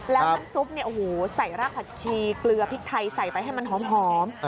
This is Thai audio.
แล้วน้ำซุปใส่รากผักชีเกลือพริกไทยใส่ไปให้มันหอม